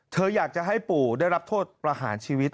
อยากจะให้ปู่ได้รับโทษประหารชีวิต